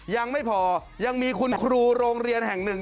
ยังไม่พอยังมีคุณครูโรงเรียนแห่งหนึ่ง